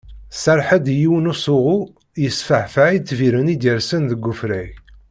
Tserreḥ-d i yiwen n usuɣu yesfeɛfeɛ itbiren i d-yersen deg ufrag.